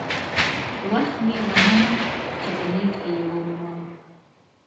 وخت مې ونه موند چې په نیټ کې یې ومومم.